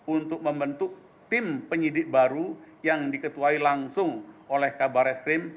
untuk membentuk tim penyidik baru yang diketuai langsung oleh kabar eskrim